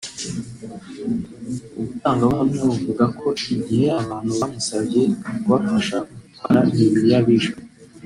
abatangabuhamya bavuga ko igihe abantu bamusabye kubafasha gutwara imibiri y’abishwe